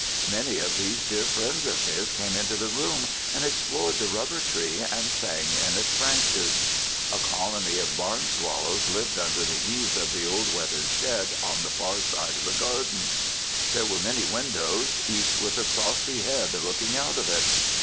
Many of these dear friends of his came into the room and explored the rubber tree and sang in its branches. A colony of barn swallows lived under the eaves of the old weathered shed on the far side of the garden. There were many windows, each with a saucy head looking out of it.